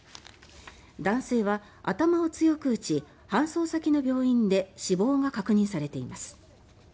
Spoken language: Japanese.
男性は、頭を強く打ち搬送先の病院で死亡が確認されています。